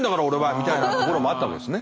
みたいなところもあったわけですね。